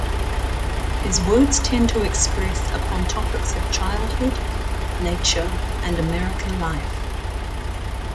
His words tend to express upon topics of childhood, nature, and American life.